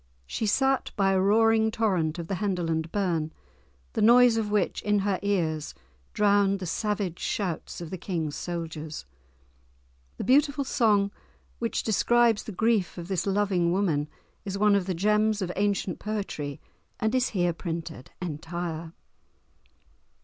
She sat by a roaring torrent of the Henderland burn, the noise of which in her ears drowned the savage shouts of the King's soldiers. The beautiful song which describes the grief of this loving woman is one of the gems of ancient poetry, and is here printed entire.